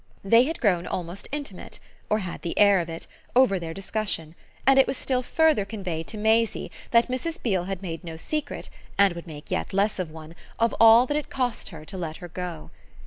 They had grown almost intimate or had the air of it over their discussion; and it was still further conveyed to Maisie that Mrs. Beale had made no secret, and would make yet less of one, of all that it cost to let her go.